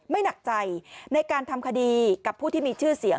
หนักใจในการทำคดีกับผู้ที่มีชื่อเสียง